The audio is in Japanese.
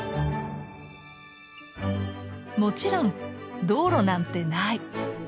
もちろん道路なんてない。